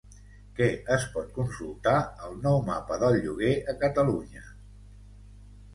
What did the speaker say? Què es pot consultar al nou Mapa del Lloguer a Catalunya?